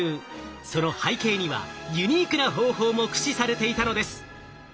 その背景にはユニークな方法も駆使されていたのです。